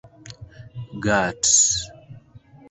Gart.